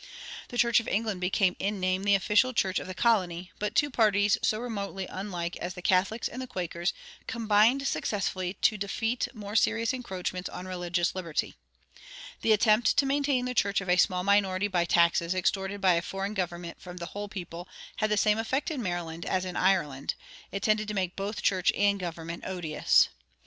The Church of England became in name the official church of the colony, but two parties so remotely unlike as the Catholics and the Quakers combined successfully to defeat more serious encroachments on religious liberty. The attempt to maintain the church of a small minority by taxes extorted by a foreign government from the whole people had the same effect in Maryland as in Ireland: it tended to make both church and government odious.